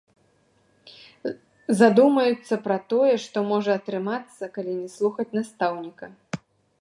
Задумаюцца пра тое, што можа атрымацца калі не слухаць настаўніка.